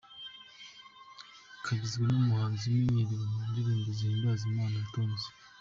Kagizwe n’umuhanzi umenyerewe mu ndirimbo zihimbaza Imana, Tonzi.